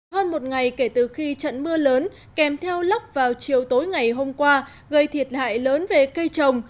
hơn một ngày kể từ khi trận mưa lớn kèm theo lốc vào chiều tối ngày hôm qua gây thiệt hại lớn về cây trồng